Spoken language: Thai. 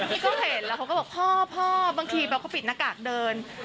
พี่ก็เห็นแล้วพ่อบางทีแบบก็ปิดหน้ากากเดิน